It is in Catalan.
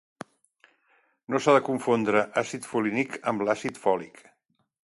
No s'ha de confondre àcid folínic amb l'àcid fòlic.